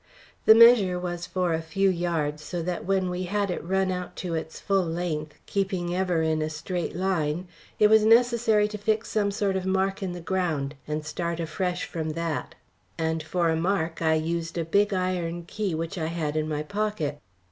The measure was for a few yards, so that when we had run it out to its full length, keeping ever in the straight line, it was necessary to fix some sort of mark in the ground, and start afresh from that; and for a mark I used a big iron key which I had in my pocket.